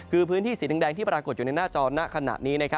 คือพื้นที่สีแดงที่ปรากฏอยู่ในหน้าจอหน้าขณะนี้